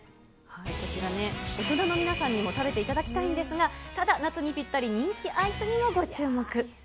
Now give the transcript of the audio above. こちら、大人の皆さんにも食べていただきたいんですが、ただ、夏にぴったり人気アイスにもご注目。